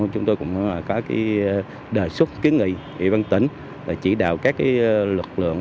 chúng tôi cũng có đề xuất kiến nghị ý văn tỉnh chỉ đạo các lực lượng